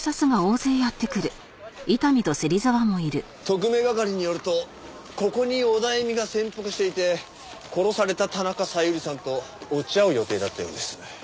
特命係によるとここにオダエミが潜伏していて殺された田中小百合さんと落ち合う予定だったようです。